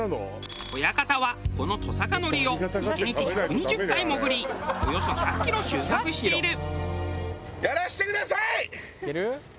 親方はこのトサカノリを１日１２０回潜りおよそ１００キロ収穫している。